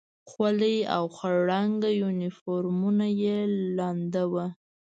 خولۍ او خړ رنګه یونیفورمونه یې لوند و.